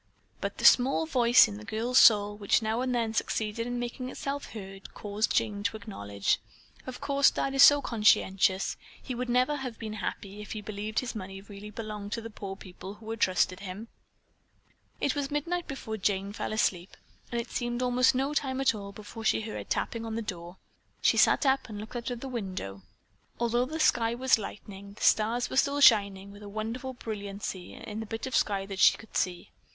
But the small voice in the girl's soul which now and then succeeded in making itself heard caused Jane to acknowledge: "Of course Dad is so conscientious, he would never have been happy if he believed that his money really belonged to the poor people who had trusted him." It was midnight before Jane fell asleep, and it seemed almost no time at all before she heard a tapping on her door. She sat up and looked out of the window. Although the sky was lightening, the stars were still shining with a wonderful brilliancy in the bit of sky that she could see.